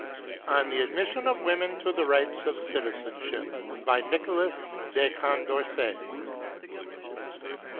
On the Admission of Women to the Rights of Citizenship. BY THE MARQUIS DE CONDORCET.